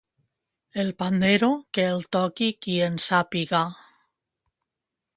El pandero, que el toqui qui en sàpiga.